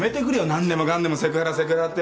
何でもかんでもセクハラセクハラって。